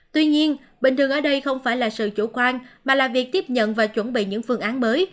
tuy nhiên bình thường ở đây không phải là sự chủ quan mà là việc tiếp nhận và chuẩn bị những phương án mới